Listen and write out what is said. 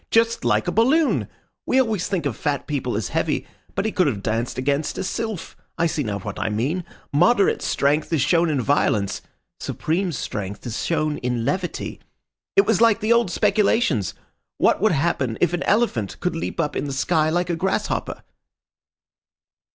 Just like a balloon. We always think of fat people as heavy, but he could have danced against a sylph. I see now what I mean. Moderate strength is shown in violence, supreme strength is shown in levity. It was like the old speculations—what would happen if an elephant could leap up in the sky like a grasshopper?"